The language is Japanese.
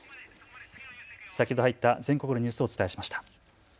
先ほど入った全国のニュースをお伝えしました。